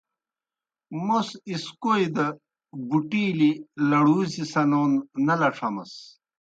موْس اِسکوئی دہ بُٹِیلیْ لَڑُوزیْ سنون نہ لڇھمَس۔